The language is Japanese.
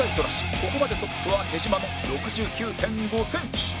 ここまでトップは手島の ６９．５ センチ